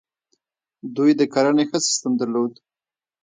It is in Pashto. دوی د کرنې ښه سیستم درلود